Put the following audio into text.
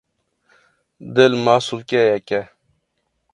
Dil masûlkeyek e.